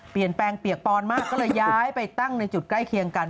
เปลี่ยนแปลงเปียกปอนมากก็เลยย้ายไปตั้งในจุดใกล้เคียงกัน